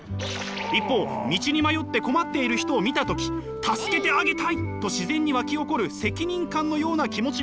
一方道に迷って困っている人を見た時助けてあげたいと自然に沸き起こる責任感のような気持ちがあります。